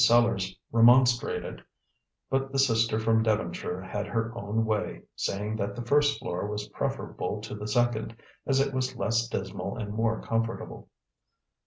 Sellars remonstrated, but the sister from Devonshire had her own way, saying that the first floor was preferable to the second, as it was less dismal and more comfortable.